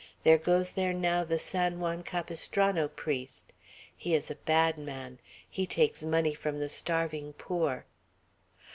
There goes there now the San Juan Capistrano priest. He is a bad man. He takes money from the starving poor."